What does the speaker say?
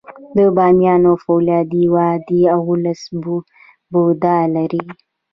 د بامیانو فولادي وادي اوولس بودا لري